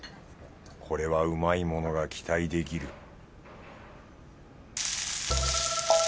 これはうまいものが期待できる